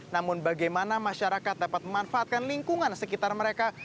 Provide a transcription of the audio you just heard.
namun bagaimana masyarakat dapat memanfaatkan lingkungan sekitar mereka